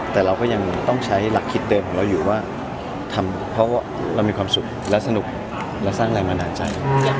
แต่เราก็ยังต้องใช้หลักคิดเดิมของเราอยู่ว่าทำเพราะว่าเรามีความสุขและสนุกและสร้างแรงบันดาลใจ